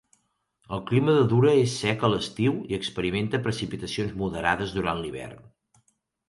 El clima de Dura és sec a l'estiu i experimenta precipitacions moderades durant l'hivern.